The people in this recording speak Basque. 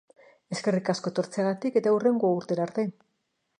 Eskerrik asko etortzeagatik eta hurrengo urtera arte!